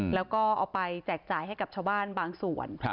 แล้วก็เอาไปแจกจ่ายให้กับชาวบ้านบางส่วน